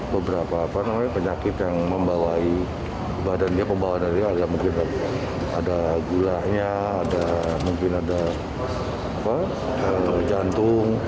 beberapa penyakit yang membawanya ada gulanya mungkin ada jantung